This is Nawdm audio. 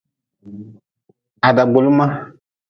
Ha dagbuli ma.